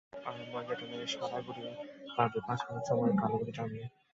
আর্মাগেডনে সাদা ঘুঁটি পাবে পাঁচ মিনিট সময়, কালো ঘুঁটি চার মিনিট।